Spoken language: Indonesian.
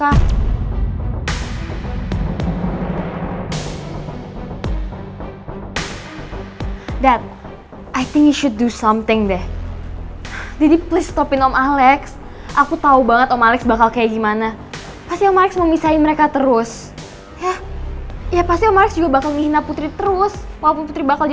aku yang ngerusak